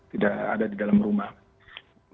tidak ada di dalam rumah